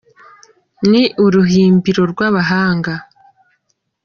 Ni uruhimbiro rw’abahanga